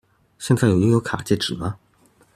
現在有悠遊卡戒指嗎？